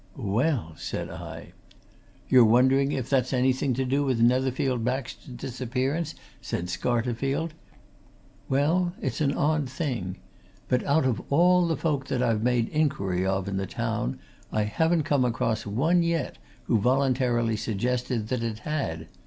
"Well?" said I. "You're wondering if that's anything to do with Netherfield Baxter's disappearance?" said Scarterfield. "Well it's an odd thing, but out of all the folk that I've made inquiry of in the town, I haven't come across one yet who voluntarily suggested that it had!